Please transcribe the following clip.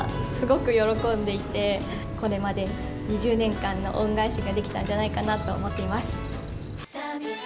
なにより母が、すごく喜んでいて、これまで２０年間の恩返しができたんじゃないかなと思っています。